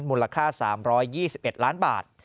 มูลค่า๓๒๑ล้านบาท